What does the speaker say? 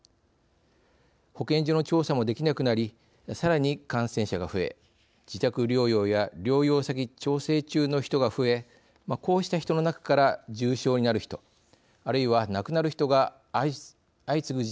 保健所の調査もできなくなりさらに感染者が増え自宅療養や療養先の調整中の人が増えこうした人の中から重症になる人あるいは亡くなる人が相次ぐ事態になっています。